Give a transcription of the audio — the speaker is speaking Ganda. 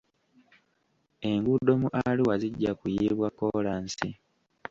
Enguudo mu Arua zijja kuyiibwa kkolansi.